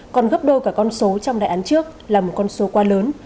còn gấp đôi cả con số trong đại án trước là một con số quá lớn